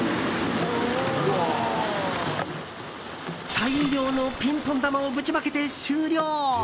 大量のピンポン球をぶちまけて終了！